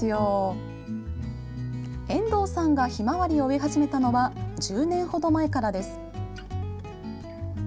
遠藤さんがひまわりを植え始めたのは１０年ほど前からです。